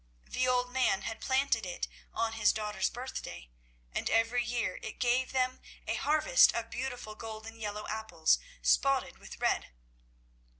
The old man had planted it on his daughter's birthday, and every year it gave them a harvest of beautiful golden yellow apples spotted with red.